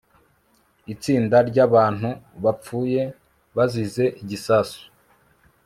itsinda ryabantu bapfuye bazize igisasu